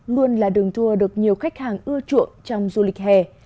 luôn là đường tour được nhiều khách hàng ưa chuộng trong du lịch hè